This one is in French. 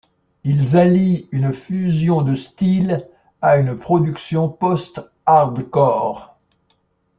Ils allient une fusion de styles à une production post-hardcore.